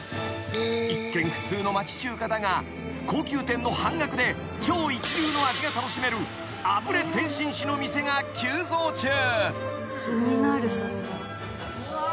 ［一見普通の町中華だが高級店の半額で超一流の味が楽しめるあぶれ点心師の店が急増中］